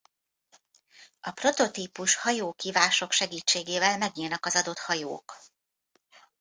A prototípus hajó-kivások teljesítésével megnyílnak az adott hajók.